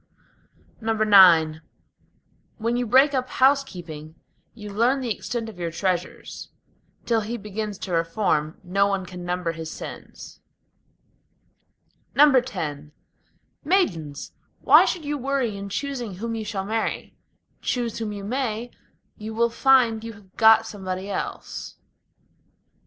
IX When you break up housekeeping, you learn the extent of your treasures; Till he begins to reform, no one can number his sins. X Maidens! why should you worry in choosing whom you shall marry? Choose whom you may, you will find you have got somebody else.